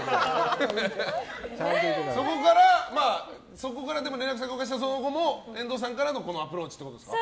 そこから連絡先を交換したその後も遠藤さんからのアプローチってことですか？